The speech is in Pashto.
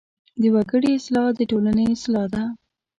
د وګړي اصلاح د ټولنې اصلاح ده.